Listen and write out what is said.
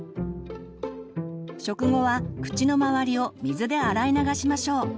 食後は口の周りを水で洗い流しましょう。